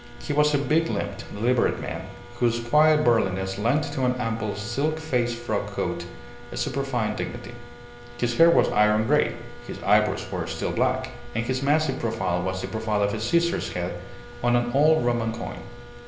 He was a big limbed, deliberate man, whose quiet burliness lent to an ample silk faced frock coat a superfine dignity. His hair was iron grey, his eyebrows were still black, and his massive profile was the profile of a Caesar's head on an old Roman coin.